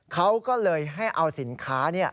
เขาก็เลยให้เอาสินค้า